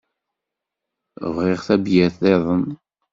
Bɣiɣ tabyirt-iḍen.